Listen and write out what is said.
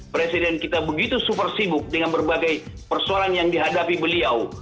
presiden kita begitu super sibuk dengan berbagai persoalan yang dihadapi beliau